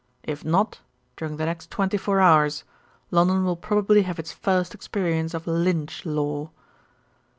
If not, during the next twenty four hours, London will probably have its first experience of lynch law."